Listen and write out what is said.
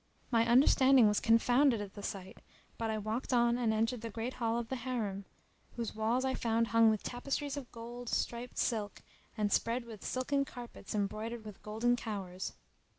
My understanding was confounded at the sight, but I walked on and entered the great hall of the Harim,[FN#308] whose walls I found hung with tapestries of gold striped silk and spread with silken carpets embroidered with golden cowers.